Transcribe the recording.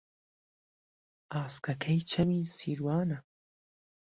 ئاسکهکهی چهمی سیروانه